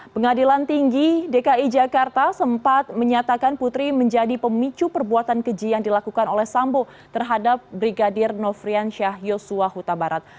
pengadilan tinggi dki jakarta sempat menyatakan putri menjadi pemicu perbuatan keji yang dilakukan oleh sambo terhadap brigadir nofrian syah yosua huta barat